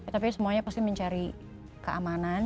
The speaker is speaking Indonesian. tapi semuanya pasti mencari keamanan